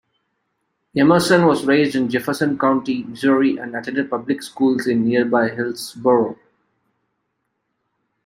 Emerson was raised in Jefferson County, Missouri and attended public schools in nearby Hillsboro.